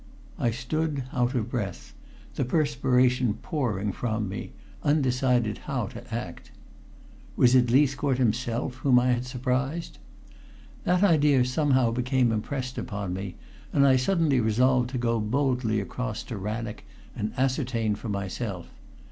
I stood out of breath, the perspiration pouring from me, undecided how to act. Was it Leithcourt himself whom I had surprised? That idea somehow became impressed upon me and I suddenly resolved to go boldly across to Rannoch and ascertain for myself.